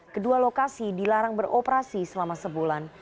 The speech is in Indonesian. kedua lokasi dilarang beroperasi selama sebulan